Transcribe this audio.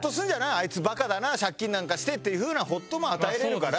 あいつバカだな借金なんかしてっていうふうなホッとも与えられるから。